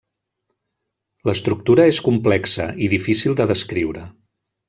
L'estructura és complexa i difícil de descriure.